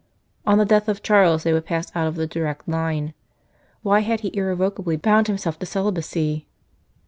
On the death of Charles they would pass out of the direct line. Why had he irrevocably bound himself to celibacy